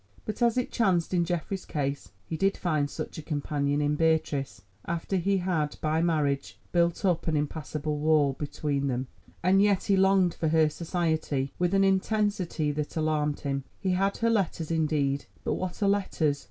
But as it chanced in Geoffrey's case he did find such a companion in Beatrice, after he had, by marriage, built up an impassable wall between them. And yet he longed for her society with an intensity that alarmed him. He had her letters indeed, but what are letters!